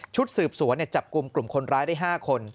ชุดสืบสวนจับกลุ่มคนร้ายได้๕คน